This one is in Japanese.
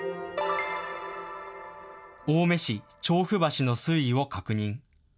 青梅市・調布橋の水位を確認。